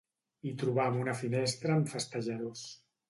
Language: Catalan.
Hi trobam una finestra amb festejadors.